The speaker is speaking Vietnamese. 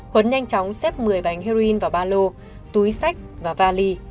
huấn nhanh chóng xếp một mươi bánh heroin vào ba lô túi sách và vali